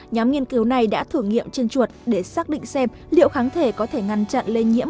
nhóm nghiên cứu này đã thử nghiệm trên chuột để xác định xem liệu kháng thể có thể ngăn chặn lây nhiễm